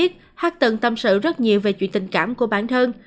theo t cho biết h từng tâm sự rất nhiều về chuyện tình cảm của bản thân